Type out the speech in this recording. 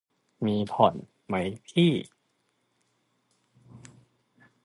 มีผ่อน มั้ยพี่